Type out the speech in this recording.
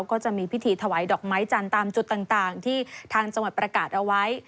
ก็จะมีพิธีถวายดอกไม้จันทร์ตามจุดต่างที่ทางจังหวัดประกาศเอาไว้